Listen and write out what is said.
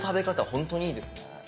本当にいいですね。